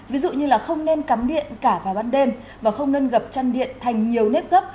ví dụ như không nên cắm điện cả vào ban đêm và không nên gặp chăn điện thành nhiều nếp gấp